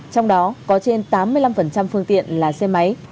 trong đó có trên tám mươi năm phương tiện là xe máy